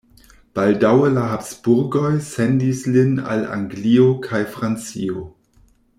Baldaŭe la Habsburgoj sendis lin al Anglio kaj Francio.